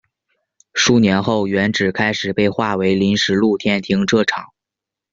数年后原址开始被划为临时露天停车场。